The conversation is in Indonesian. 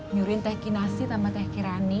nyuruhin teh kinasi tambah teh kirani